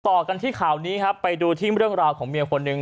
ต่อกันที่ข่าวนี้ครับไปดูที่เรื่องราวของเมียคนหนึ่ง